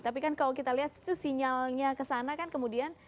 tapi kan kalau kita lihat itu sinyalnya kesana kan kemudian